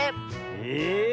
え⁉